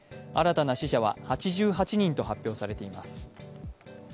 新たな死者は８８人と発表されています。